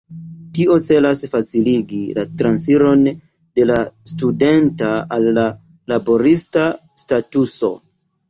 Tio celas faciligi la transiron de la studenta al la laborista statuso.